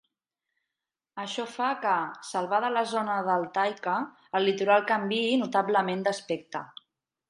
Això fa que, salvada la zona deltaica, el litoral canviï notablement d'aspecte.